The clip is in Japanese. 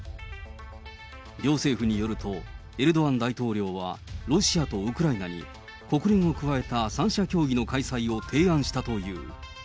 両政府によると、エルドアン大統領は、ロシアとウクライナに国連を加えた三者協議の開催を提案したという。